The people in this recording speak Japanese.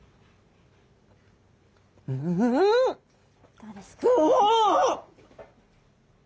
どうですか？